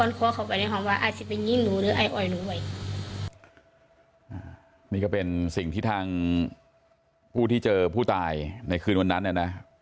นี่ก็เป็นสิ่งที่ทางผู้ที่เจอผู้ตายในคืนวันนั้นเนี่ยนะ